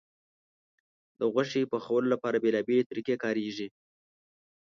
د غوښې پخولو لپاره بیلابیلې طریقې کارېږي.